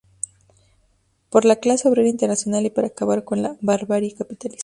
Por la clase obrera internacional y para acabar con la barbarie capitalista".